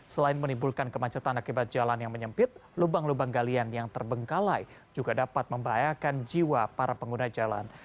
selain menimbulkan kemacetan akibat jalan yang menyempit lubang lubang galian yang terbengkalai juga dapat membahayakan jiwa para pengguna jalan